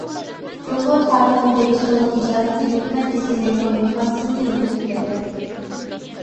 جۇڭگو تارىختىن بېرى سودا-تىجارەتنى ھۆكۈمەت تىزگىنلەيدىغان مېخانىزمنى يۈرگۈزۈپ كەلگەن.